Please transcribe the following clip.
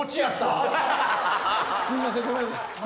すんません。